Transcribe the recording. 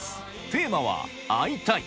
テーマは「会いたい！」